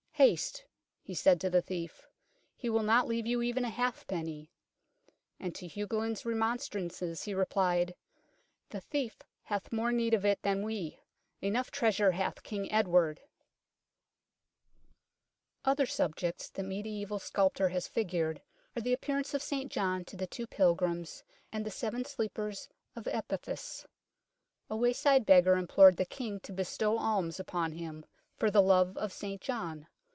" Haste," he said to the thief, " he will not leave you even a halfpenny "; and to Hugolin 's remonstrances he replied, " The thief hath more need of it than we enough treasure hath King Edward .'" SHRINE OF EDWARD THE CONFESSOR 41 Other subjects the mediaeval sculptor has figured are the appearance of St John to the two pilgrims, and the Seven Sleepers of Ephesus. A wayside beggar implored the King to bestow alms upon him, for the love of St John.